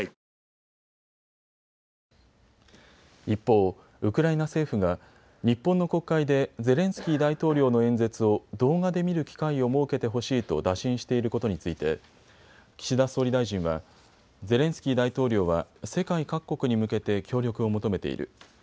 一方、ウクライナ政府が日本の国会でゼレンスキー大統領の演説を動画で見る機会を設けてほしいと打診していることについて岸田総理大臣は、ゼレンスキー大統領は世界各国に向けて協力を求めている。